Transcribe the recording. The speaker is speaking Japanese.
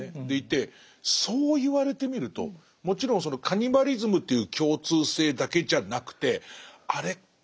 でいてそう言われてみるともちろんそのカニバリズムという共通性だけじゃなくてあれっ？